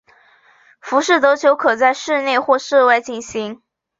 浮士德球可在室内或室外进行。